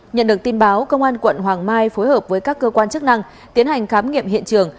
nhận được tin báo công an quận hoàng mai phối hợp với các cơ quan chức năng tiến hành khám nghiệm hiện trường